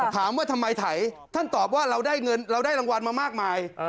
ถามว่าทำไมไถท่านตอบว่าเราได้เงินเราได้รางวัลมามากมาย